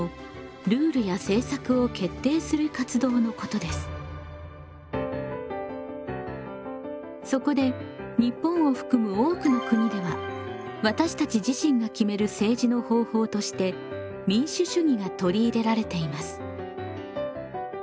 つまりそこで日本を含む多くの国では私たち自身が決める政治の方法として民主主義が取り入れられています。